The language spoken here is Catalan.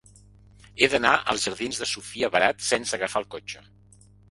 He d'anar als jardins de Sofia Barat sense agafar el cotxe.